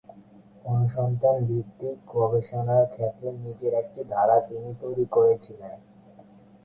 অনুসন্ধান ভিত্তিক গবেষণার ক্ষেত্রে নিজের একটি ধারা তিনি তৈরি করেছিলেন।